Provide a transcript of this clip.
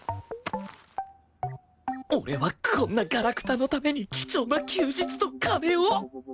俺はこんなガラクタのために貴重な休日と金を！？